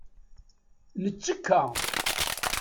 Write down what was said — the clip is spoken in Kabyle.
Nettekka.